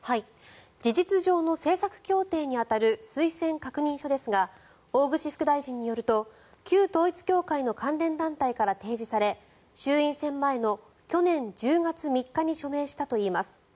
事実上の政策協定に当たる推薦確認書ですが大串副大臣によると旧統一教会の関連団体から提示され衆院選前の去年１０月３日に署名したといいます。